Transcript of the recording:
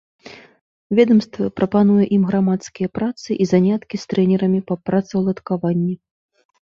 Ведамства прапануе ім грамадскія працы і заняткі з трэнерамі па працаўладкаванні.